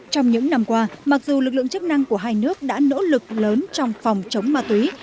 trong những năm qua mặc dù lực lượng chức năng của hai nước đã nỗ lực lớn trong phòng chống ma túy